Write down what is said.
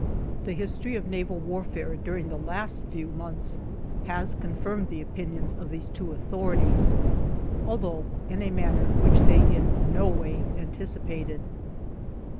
The history of naval warfare during the last few months has confirmed the opinions of these two authorities, although in a manner which they in no way anticipated.